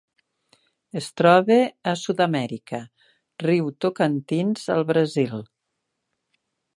Es troba a Sud-amèrica: riu Tocantins al Brasil.